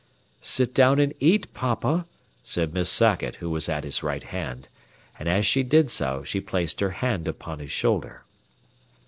"Sit down and eat, papa," said Miss Sackett, who was at his right hand, and as she did so she placed her hand upon his shoulder.